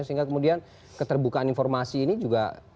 sehingga kemudian keterbukaan informasi ini juga